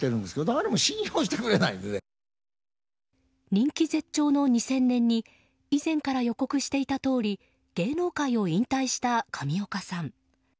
人気絶頂の２０００年に以前から予告していたとおり芸能界を引退した上岡さん。